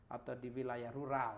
atau di wilayah rural